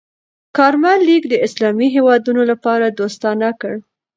کارمل لیک د اسلامي هېوادونو لپاره دوستانه کړ.